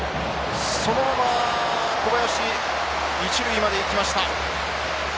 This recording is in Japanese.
そのまま小林一塁まで行きました。